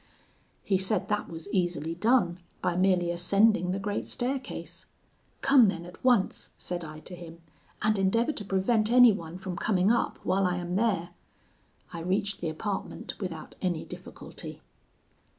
He said that was easily done, by merely ascending the great staircase. 'Come then at once,' said I to him, 'and endeavour to prevent anyone from coming up while I am there.' I reached the apartment without any difficulty.